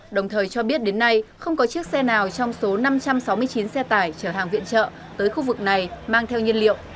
đồng thời cho biết đến nay không có chiếc xe nào trong số năm trăm sáu mươi chín xe tải chở hàng viện trợ tới khu vực này mang theo nhiên liệu